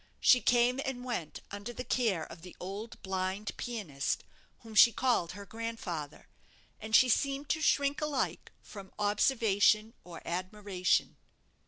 She came and went under the care of the old blind pianist, whom she called her grandfather, and she seemed to shrink alike from observation or admiration.